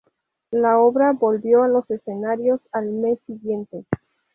La obra volvió a los escenarios al mes siguiente.